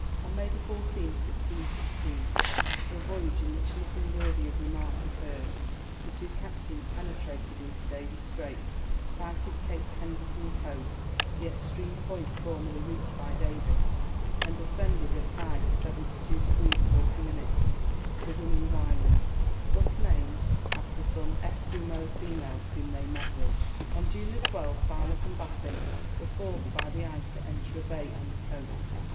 On May 14th, 1616, after a voyage in which nothing worthy of remark occurred, the two captains penetrated into Davis' Strait, sighted Cape Henderson's Hope, the extreme point formerly reached by Davis, and ascended as high as 72 degrees 40 minutes to the Women's Island, thus named after some Esquimaux females whom they met with. On June 12th, Byleth and Baffin were forced by the ice to enter a bay on the coast.